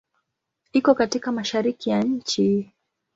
Iko katika Mashariki ya nchi.